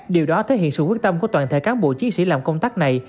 điều đó thể hiện sự quyết tâm của toàn thể cán bộ chiến sĩ làm công tác này